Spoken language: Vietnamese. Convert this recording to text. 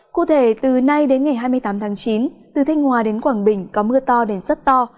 cụ thể từ nay đến ngày hai mươi tám tháng chín từ thanh hòa đến quảng bình có mưa to đến rất to